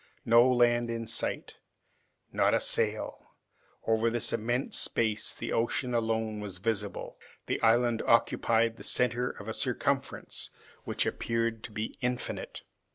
No land in sight. Not a sail. Over all this immense space the ocean alone was visible the island occupied the center of a circumference which appeared to be infinite.